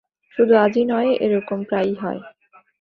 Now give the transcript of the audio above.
শুধু আজই নয়, এরকম প্রায়ই হয়।